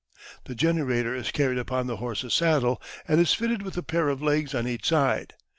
The generator is carried upon the horse's saddle, and is fitted with a pair of legs on each side.